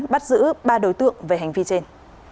bắt giữ ba đối tượng về hành vi trên